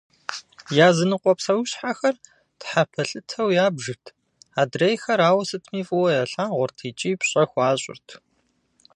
Языныкъуэ псэущхьэхэр тхьэпэлъытэу ябжырт, адрейхэр ауэ сытми фӏыуэ ялъагъурт икӏи пщӏэ хуащӏырт.